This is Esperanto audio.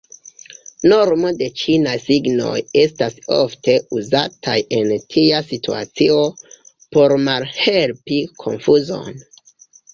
Normo de ĉinaj signoj estas ofte uzataj en tia situacio por malhelpi konfuzon.